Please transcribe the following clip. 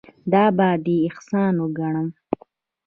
دا به دې احسان ګڼم.